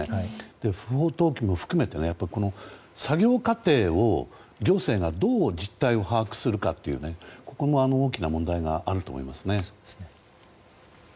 不法投棄も含めてこの作業過程を行政がどう実態を把握するかというここも大きな問題があると思いますね。